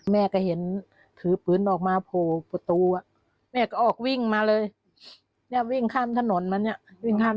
เอาฆ่าก็ฆ่าสิยิงก็ยิงสิฉันไม่ใช่กลัวตายมันยิงเลยมันยิงเลย